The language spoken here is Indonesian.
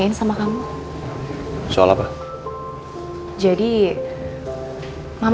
hai anak cantik